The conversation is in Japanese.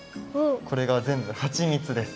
これがぜんぶはちみつです。